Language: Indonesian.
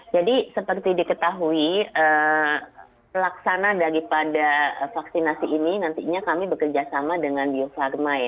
jadi seperti diketahui pelaksana daripada vaksinasi ini nantinya kami bekerjasama dengan bio farma